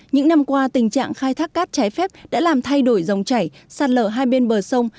những năm qua tình trạng khai thác cát trái phép đã làm thay đổi dòng chảy sạt lở hai bên bờ sông